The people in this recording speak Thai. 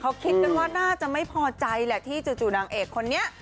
เขาคิดกันว่าน่าจะไม่พอใจแหละที่จู่นางเอกคนนี้